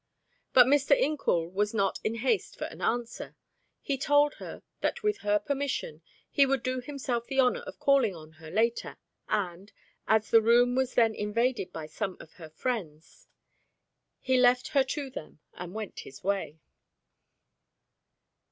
But Mr. Incoul was not in haste for an answer, he told her that with her permission, he would do himself the honor of calling on her later, and, as the room was then invaded by some of her friends, he left her to them, and went his way.